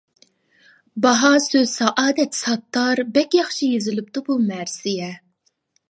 باھا سۆز سائادەت ساتتار بەك ياخشى يېزىلىپتۇ بۇ مەرسىيە.